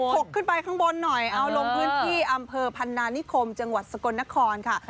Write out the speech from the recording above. กขึ้นไปข้างบนหน่อยเอาลงพื้นที่อำเภอพันนานิคมจังหวัดสกลนครค่ะ